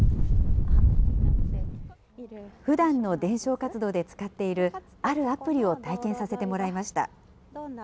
ふだんの伝承活動で使っている、あるアプリを体験させてもらいました。